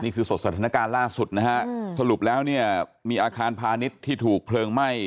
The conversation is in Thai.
สดสถานการณ์ล่าสุดนะฮะสรุปแล้วเนี่ยมีอาคารพาณิชย์ที่ถูกเพลิงไหม้